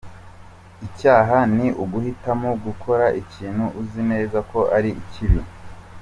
Icyaha ni uguhitamo gukora ikintu uzi neza ko ari kibi.